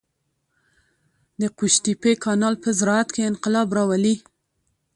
د قوشتېپې کانال په زراعت کې انقلاب راولي.